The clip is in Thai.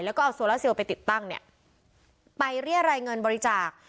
แล้วก็เอาโซลาเซลไปติดตั้งเนี่ยไปเรียรายเงินบริจาค